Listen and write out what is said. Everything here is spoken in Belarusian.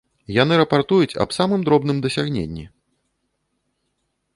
Яны рапартуюць аб самым дробным дасягненні.